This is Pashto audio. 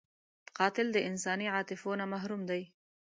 قاتل د انساني عاطفو نه محروم دی